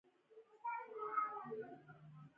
پیرودونکی د سودا زړه دی، د ګټې نه.